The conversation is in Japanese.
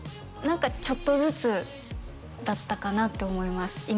何かちょっとずつだったかなって思います